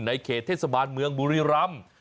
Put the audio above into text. เขตเทศบาลเมืองบุรีรำ